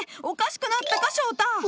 おかしくなったか翔太！